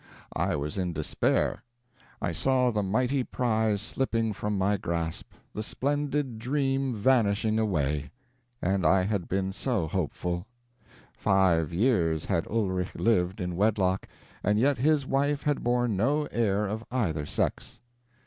I was in despair. I saw the mighty prize slipping from my grasp, the splendid dream vanishing away. And I had been so hopeful! Five years had Ulrich lived in wedlock, and yet his wife had borne no heir of either sex.